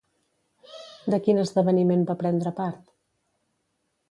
De quin esdeveniment va prendre part?